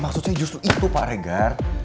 maksud saya justru itu pak regar